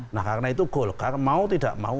nah karena itu golkar mau tidak mau